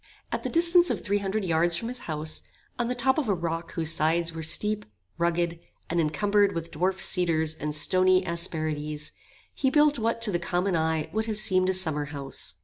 At the distance of three hundred yards from his house, on the top of a rock whose sides were steep, rugged, and encumbered with dwarf cedars and stony asperities, he built what to a common eye would have seemed a summer house.